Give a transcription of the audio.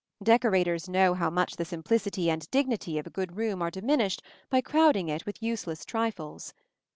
Decorators know how much the simplicity and dignity of a good room are diminished by crowding it with useless trifles.